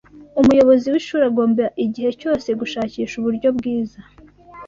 umuyobozi w'ishuri agomba igihe cyose gushakisha uburyo bwiza